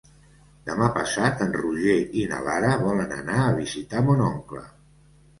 Demà passat en Roger i na Lara volen anar a visitar mon oncle.